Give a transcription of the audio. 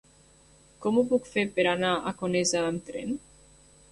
Com ho puc fer per anar a Conesa amb tren?